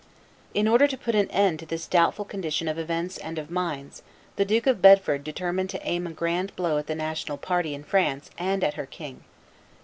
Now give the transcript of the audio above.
In order to put an end to this doubtful condition of events and of minds, the Duke of Bedford determined to aim a grand blow at the national party in France and at her king.